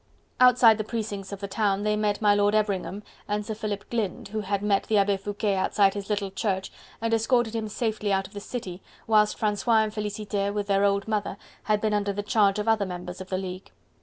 Outside the precincts of the town they met my Lord Everingham and Sir Philip Glynde, who had met the Abbe Foucquet outside his little church and escorted him safely out of the city, whilst Francois and Felicite with their old mother had been under the charge of other members of the League.